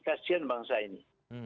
kasian bangsa ini